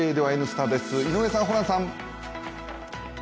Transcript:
「Ｎスタ」です井上さん、ホランさん。